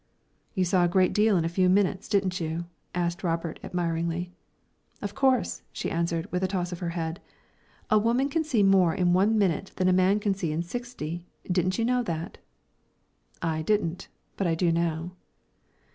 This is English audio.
"You saw a great deal in a few minutes, didn't you?" asked Robert, admiringly. "Of course," she answered, with a toss of her head. "A woman can see more in one minute than a man can see in sixty didn't you know that?" "I didn't, but I do now."